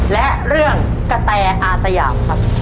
และเรื่องกะแตอาสยามครับ